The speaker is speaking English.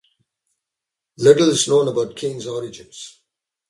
Little is known about Kane's origins.